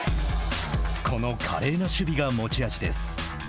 この華麗な守備が持ち味です。